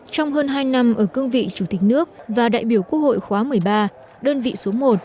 trong hơn hai năm ở cương vị chủ tịch nước và đại biểu quốc hội khóa một mươi ba đơn vị số một